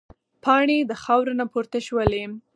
پاڼې د خاورو نه پورته شولې.